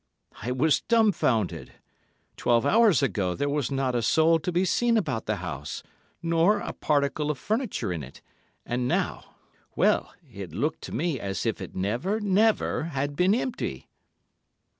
I was dumbfounded. Twelve hours ago there was not a soul to be seen about the house nor a particle of furniture in it, and now!—well, it looked to me as if it never, never had been empty.